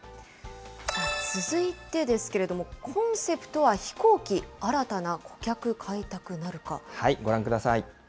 続いてですけれども、コンセプトは飛行機、新たな顧客開拓なご覧ください。